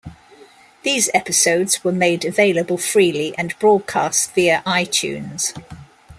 These episodes were made available freely and broadcast via iTunes.